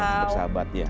masih bisa bersahabat ya